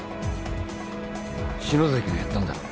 篠崎がやったんだろ？